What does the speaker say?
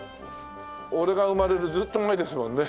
俺が生まれるずっと前ですもんね。